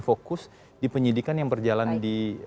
fokus di penyidikan yang berjalan di